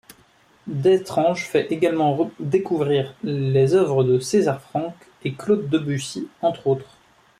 Destranges fait également découvrir les œuvres de César Franck et Claude Debussy, entre autres.